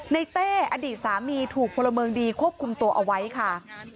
เต้อดีตสามีถูกพลเมืองดีควบคุมตัวเอาไว้ค่ะ